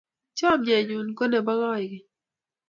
chamiet nyun ko nebo kaikeng'